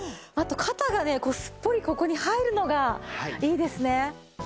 あと肩がねすっぽりここに入るのがいいですね。